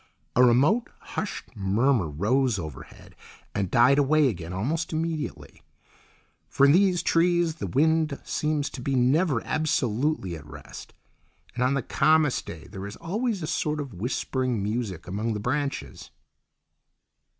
A remote, hushed murmur rose overhead and died away again almost immediately; for in these trees the wind seems to be never absolutely at rest, and on the calmest day there is always a sort of whispering music among their branches.